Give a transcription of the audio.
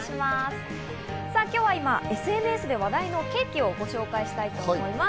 今日は今ＳＮＳで話題のケーキをご紹介したいと思います。